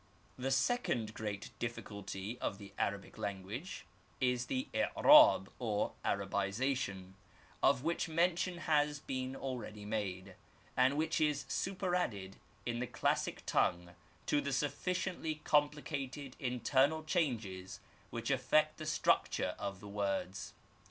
The second great difficulty of the Arabic language is the i'rab, or Arabization, of which mention has been already made, and which is superadded in the classic tongue to the sufficiently complicated internal changes which afiect the structure of the words.